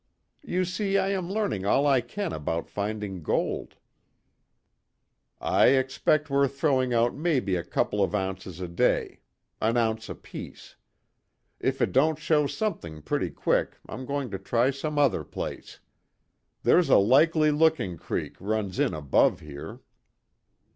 "You see, I am learning all I can about finding gold." "I expect we're throwing out maybe a couple of ounces a day an ounce apiece. If it don't show something pretty quick I'm going to try some other place. There's a likely looking creek runs in above here."